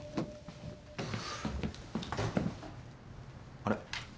・あれ？